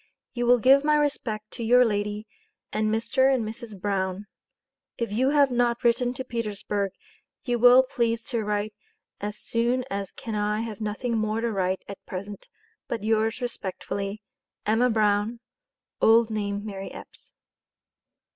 you will give my Respect to your lady, & Mr & Mrs Brown. If you have not written to Petersburg you will please to write as soon as can I have nothing More to Write at present but yours Respectfully EMMA BROWN (old name MARY EPPS).